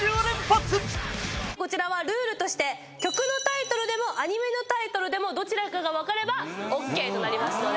こちらはルールとして曲のタイトルでもアニメのタイトルでもどちらかが分かればＯＫとなりますので。